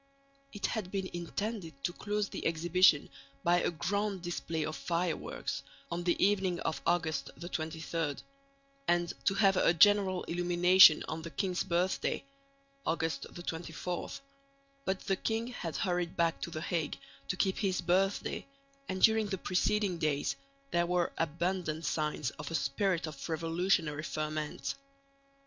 It had been intended to close the exhibition by a grand display of fireworks on the evening of August 23, and to have a general illumination on the king's birthday (August 24). But the king had hurried back to the Hague to keep his birthday, and during the preceding days there were abundant signs of a spirit of revolutionary ferment.